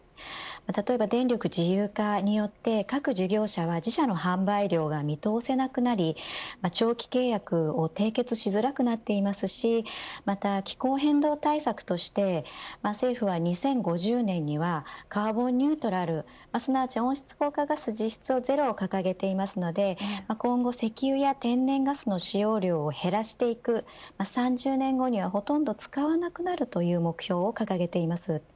例えば電力自由化によって各事業者は自社の販売量が見通せなくなり長期契約を締結しづらくなっていますしまた気候変動対策として政府は２０５０年にはカーボンニュートラルすなわち温室効果ガス実質ゼロを掲げていますので今後石油や天然ガスの使用量を減らしていく３０年後にはほとんど使わなくなるという目標を掲げています。